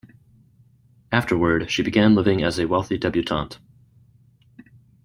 Afterward, she began living as a wealthy debutante.